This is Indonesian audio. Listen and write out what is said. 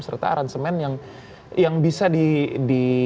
serta aransemen yang bisa dicerna oleh generasi generasi ini